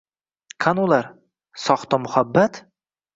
Qani ular? Soxta muhabbat?..